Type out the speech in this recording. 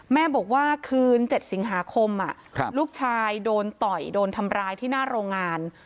แม่บอกว่าคืน๗สิงหาคมลูกชายโดนต่อยโดนทำร้ายที่หน้าโรงงาน